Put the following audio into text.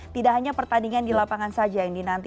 tidak hanya pertandingan di lapangan saja yang dinanti